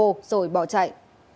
rồi bỏ chạy